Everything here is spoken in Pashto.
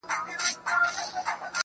جوړ يمه گودر يم ماځيگر تر ملا تړلى يم.